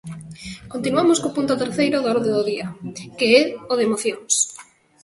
Continuamos co punto terceiro da orde do día, que é o de mocións.